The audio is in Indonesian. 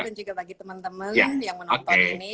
dan juga bagi teman teman yang menonton ini